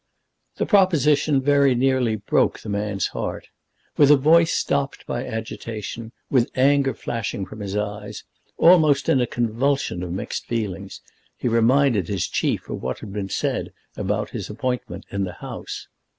The proposition very nearly broke the man's heart. With a voice stopped by agitation, with anger flashing from his eyes, almost in a convulsion of mixed feelings, he reminded his chief of what had been said about his appointment in the House.